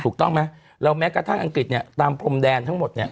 ถูกต้องไหมแล้วแม้กระทั่งอังกฤษเนี่ยตามพรมแดนทั้งหมดเนี่ย